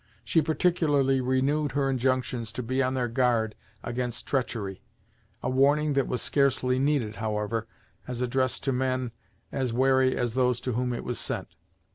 She particularly renewed her injunctions to be on their guard against treachery, a warning that was scarcely needed, however, as addressed to men as wary as those to whom it was sent.